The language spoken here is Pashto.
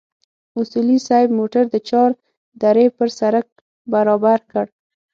اصولي صیب موټر د چار درې پر سړک برابر کړ.